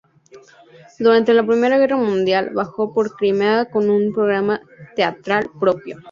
Durante la Primera Guerra Mundial viajó por Crimea con un programa teatral propio.